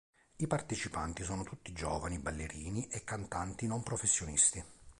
I partecipanti sono tutti giovani ballerini e cantanti non professionisti.